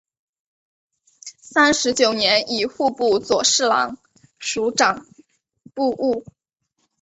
三十九年以户部左侍郎署掌部务。